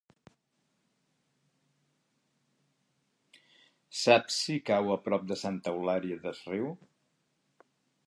Saps si cau a prop de Santa Eulària des Riu?